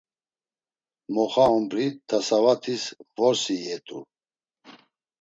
Moxa ombri Tasavatis vorsi iyet̆u.